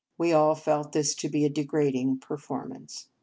We all felt this to be a degrading performance.